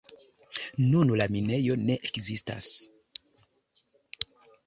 Nun la minejo ne ekzistas.